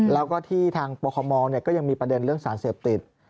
แล้วก็ที่ทางปคมก็ยังมีประเด็นเรื่องสารเสพติด